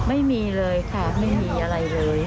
ไม่มีเลยค่ะไม่มีอะไรเลย